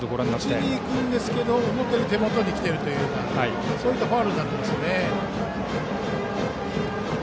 打ちに行くんですが思ったより手元に来ているというそういったファウルになってます。